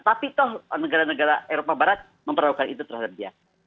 tapi toh negara negara eropa barat memperlakukan itu terhadap dia